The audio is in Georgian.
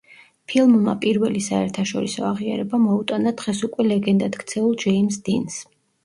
ფილმმა პირველი საერთაშორისო აღიარება მოუტანა დღეს უკვე ლეგენდად ქცეულ ჯეიმზ დინს.